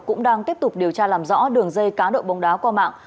cũng đang tiếp tục điều tra làm rõ đường dây cá độ bóng đá qua mạng